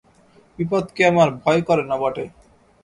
বিপদকে আমার ভয় করে না বটে।